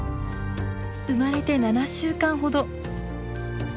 生まれて７週間ほど。